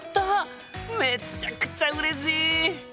めっちゃくちゃうれしい！